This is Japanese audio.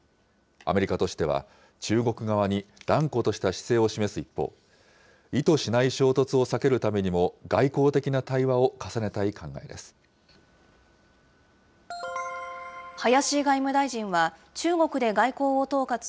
アメリカとしては、中国側に断固とした姿勢を示す一方、意図しない衝突を避けるためにも、外交的な対話を重ねたい考えです。